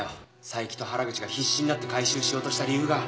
佐伯と原口が必死になって回収しようとした理由が。